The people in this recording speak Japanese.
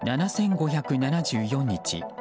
７５７４日